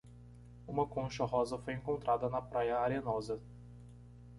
Uma concha rosa foi encontrada na praia arenosa.